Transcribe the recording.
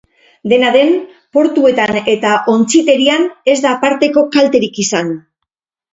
Dena den, portuetan eta ontziterian ez da aparteko kalterik izan.